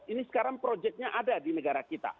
ini sekarang proyeknya ada di negara kita